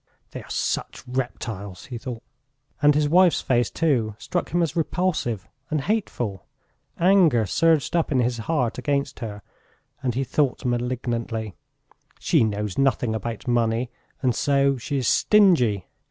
"They are such reptiles!" he thought. And his wife's face, too, struck him as repulsive and hateful. Anger surged up in his heart against her, and he thought malignantly: "She knows nothing about money, and so she is stingy.